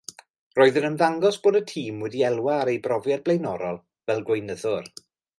Roedd yn ymddangos bod y tîm wedi elwa ar ei brofiad blaenorol fel gweinyddwr.